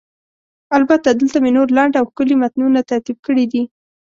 البته، دلته مې نور لنډ او ښکلي متنونه ترتیب کړي دي: